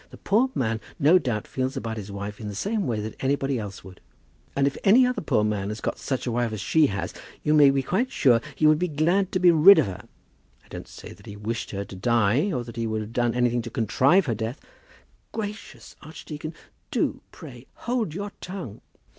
"The poor man no doubt feels about his wife in the same way that anybody else would." "And if any other poor man has got such a wife as she was, you may be quite sure that he would be glad to be rid of her. I don't say that he wished her to die, or that he would have done anything to contrive her death " "Gracious, archdeacon; do, pray, hold your tongue."